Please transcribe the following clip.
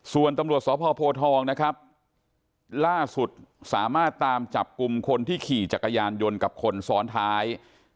ส่วนตำรวจสพโพทองนะครับล่าสุดสามารถตามจับกลุ่มคนที่ขี่จักรยานยนต์กับคนซ้อนท้าย